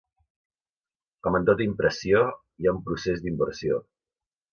Com en tota impressió, hi ha un procés d'inversió.